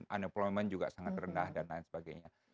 unemployment juga sangat rendah dan lain sebagainya